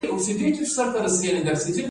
ایا زه باید ماشوم ته هګۍ ورکړم؟